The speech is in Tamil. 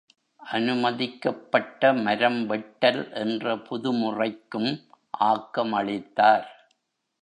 அனுமதிக்கப்பட்ட மரம் வெட்டல் என்ற புதுமுறைக்கும் ஆக்கமளித்தார்.